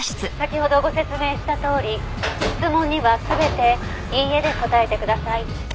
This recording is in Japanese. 「先ほどご説明したとおり質問には全ていいえで答えてください」